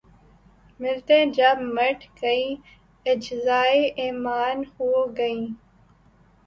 ملتیں جب مٹ گئیں‘ اجزائے ایماں ہو گئیں